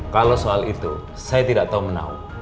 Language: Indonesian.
kalau soal itu saya tidak tahu menau